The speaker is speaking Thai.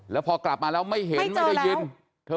แล้วพอกลับมาแล้วไม่เห็นไม่ได้ยินให้เจอแล้ว